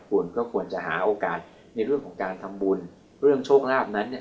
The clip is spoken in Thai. คุณก็ควรจะหาโอกาสในเรื่องของการทำบุญเรื่องโชคลาภนั้นเนี่ย